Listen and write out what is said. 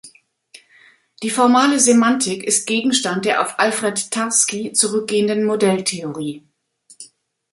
Die formale Semantik ist Gegenstand der auf Alfred Tarski zurückgehenden Modelltheorie.